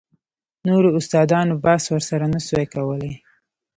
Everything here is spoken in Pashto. نورو استادانو بحث ورسره نه سو کولاى.